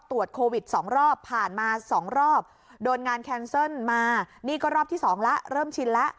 ตรวจโควิดสองรอบผ่านมาสองรอบโดนงานแคนเซิลมานี่ก็รอบที่สองแล้วเริ่มชินแล้ว